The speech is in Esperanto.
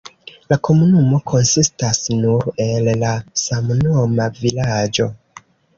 La komunumo konsistas nur el la samnoma vilaĝo.